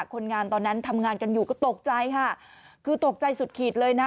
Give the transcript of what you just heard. คนงานตอนนั้นทำงานกันอยู่ก็ตกใจค่ะคือตกใจสุดขีดเลยนะ